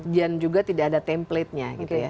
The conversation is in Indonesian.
dan juga tidak ada templatenya gitu ya